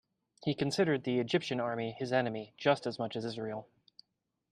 He considered the Egyptian Army his enemy just as much as Israel.